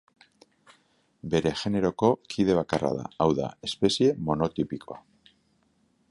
Bere generoko kide bakarra da, hau da, espezie monotipikoa.